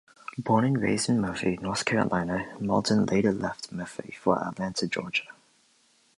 Born and raised in Murphy, North Carolina, Mauldin later left Murphy for Atlanta, Georgia.